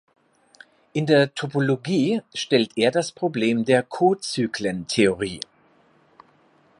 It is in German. In der Topologie stellte er das Problem der Kozyklen-Theorie.